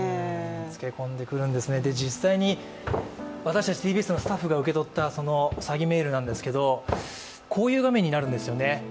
つけ込んでくるんですね、実際に私たち、ＴＢＳのスタッフが受け取った詐欺メールなんですけれどもこういう画面になるんですよね。